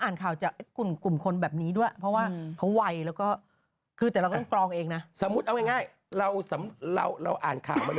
นางคิดแบบว่าไม่ไหวแล้วไปกด